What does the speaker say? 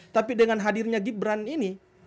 tapi dengan hadirnya gibran ini